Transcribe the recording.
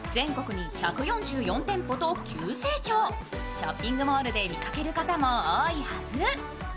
ショッピングモールで見かける方も多いはず。